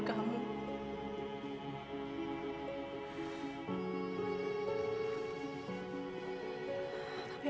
rahmat sangat mencintai kamu